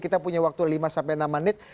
kita punya waktu lima sampai enam menit